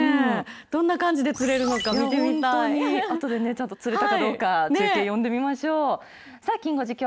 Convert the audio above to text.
どんな感じで釣れるのか、見あとで、ちゃんと釣れたかどうか、中継呼んでみましょう。